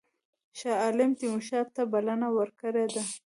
شاه عالم تیمورشاه ته بلنه ورکړې ده.